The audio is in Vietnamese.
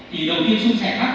thì đầu tiên xuống xe bắc